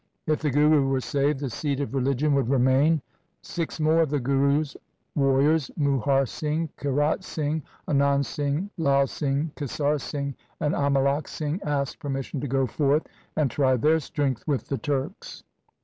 If the Guru were saved, the seed of religion would remain. Six more of the Guru's warriors, Muhar Singh, Kirat Singh, Anand Singh, Lai Singh, Kesar Singh, and Amolak Singh asked permission to go forth and try their strength with the Turks.